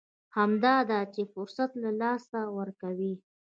همدا ده چې فرصت له لاسه ورکوي.